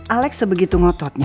alex sebegitu ngototnya